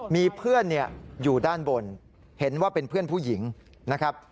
มีเพื่อนอยู่ด้านบนเห็นว่าเป็นเพื่อนผู้หญิงนะครับ